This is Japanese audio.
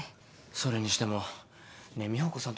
それにしてもねえ美保子さん